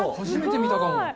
初めて見たかも。